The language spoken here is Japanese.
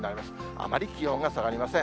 あまり気温が下がりません。